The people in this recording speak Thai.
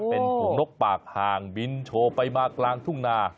เป็นฝูงนกปากห่างบินโชว์ไปมากลางทุ่งนา